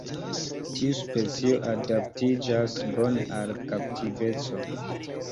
Tiu specio adaptiĝas bone al kaptiveco.